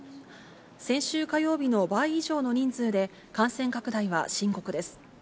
先週火曜日の倍以上の人数で、感染拡大は深刻です。